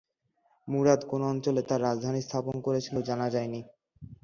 মুরাদ কোন অঞ্চলে তার রাজধানী স্থাপন করেছিল জানা যায়নি।